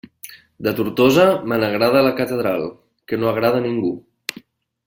De Tortosa me n'agrada la catedral, que no agrada a ningú!